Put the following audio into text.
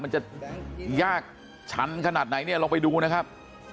มันจะยากชันขนาดไหนเนี่ยลองไปดูนะครับ